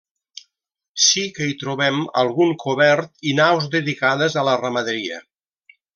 Sí que hi trobem algun cobert i naus dedicades a la ramaderia.